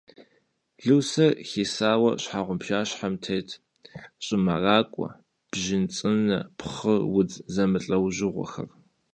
Лусэ хисауэ щхьэгъубжащхьэм тетт щӏымэракӏуэ, бжьын цӏынэ, пхъы, удз зэмылӏэужьыгъуэхэр.